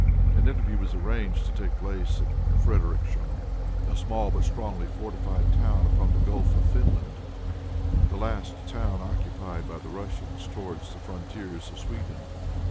An interview was arranged to take place at Frederiksham, a small but strongly fortified town upon the Gulf of Finland, the last town occupied by the Russians towards the frontiers of Sweden.